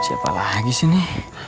siapa lagi sih ini